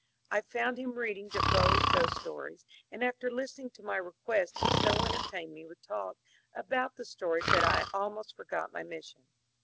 I found him reading Defoe's ghost stories, and after listening to my request he so entertained me with talk about the stories that I almost forgot my mission.